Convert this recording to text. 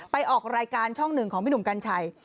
ออกรายการช่องหนึ่งของพี่หนุ่มกัญชัย